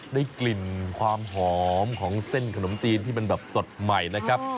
ได้กลิ่นความหอมของเส้นขนมจีนที่มันแบบสดใหม่นะครับ